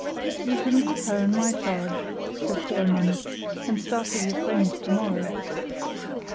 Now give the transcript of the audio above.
"You can leave her in my charge," said Dollmann, "and start with your friend to morrow."